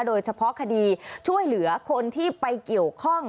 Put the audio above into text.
โดยเฉพาะคดีช่วยเหลือคนที่ไปเกี่ยวข้อง